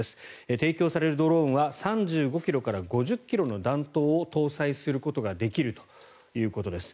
提供されるドローンは３５ｋｇから５０ｋｇの弾頭を搭載することができるということです。